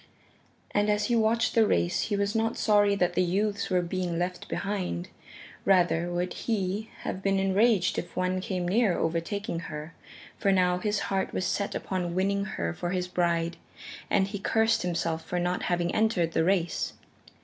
And as he watched the race he was not sorry that the youths were being left behind. Rather would he have been enraged if one came near overtaking her, for now his heart was set upon winning her for his bride, and he cursed himself for not having entered the race.